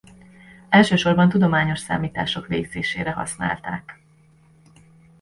Elsősorban tudományos számítások végzésére használták.